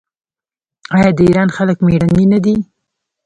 آیا د ایران خلک میړني نه دي؟